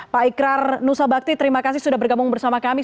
pak ikrar nusa bakti terima kasih sudah bergabung bersama kami